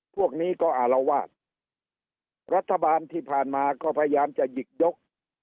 พวกนี้ก็อารวาสรัฐบาลที่ผ่านมาก็พยายามจะหยิกยก